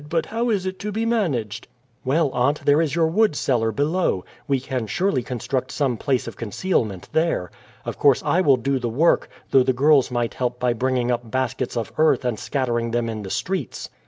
"But how is it to be managed?" "Well, aunt, there is your wood cellar below. We can surely construct some place of concealment there. Of course I will do the work, though the girls might help by bringing up baskets of earth and scattering them in the streets."